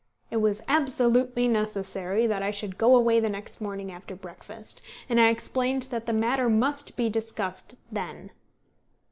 It was absolutely necessary that I should go away the next morning after breakfast, and I explained that the matter must be discussed then.